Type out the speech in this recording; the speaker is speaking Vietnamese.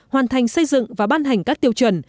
hoàn thành xây dựng và ban hành các tiêu chuẩn